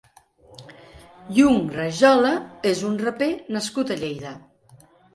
Yung Rajola és un raper nascut a Lleida.